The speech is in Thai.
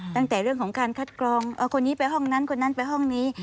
ตั้งแต่เรื่องของการคัดกรองเอาคนนี้ไปห้องนั้นคนนั้นไปห้องนี้